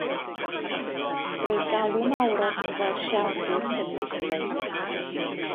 Roedd galw mawr arni fel siaradwr ffeministaidd.